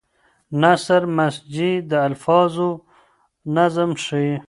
نثر مسجع د الفاظو نظم ښيي.